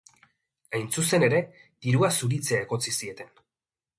Hain zuzen ere, dirua zuritzea egotzi zieten.